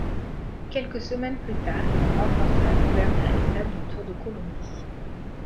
Quelques semaines plus tard, il remporte l'avant-dernière étape du Tour de Colombie.